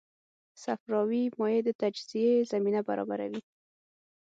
صفراوي مایع د تجزیې زمینه برابروي.